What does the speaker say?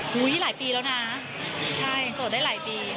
หลายปีแล้วนะใช่โสดได้หลายปี